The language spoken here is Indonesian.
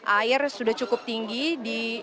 air sudah cukup tinggi di